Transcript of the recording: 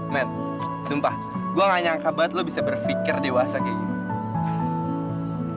men sumpah gue gak nyangka banget lo bisa berpikir dewasa kayak gini